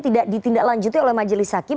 tidak ditindaklanjuti oleh majelis hakim